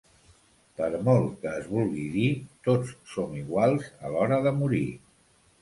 Per molt que es vulgui dir, tots som iguals a l'hora de morir.